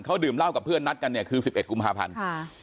เขาดื่มเหล้ากับเพื่อนนัดกันเนี่ยคือ๑๑กุมภาพันธ์